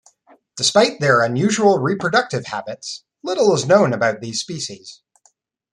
Despite their unusual reproductive habits, little is known about these species.